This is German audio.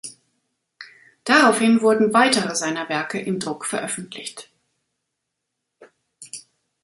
Daraufhin wurden weitere seiner Werke im Druck veröffentlicht.